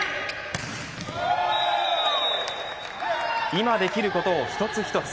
今できることを一つ一つ。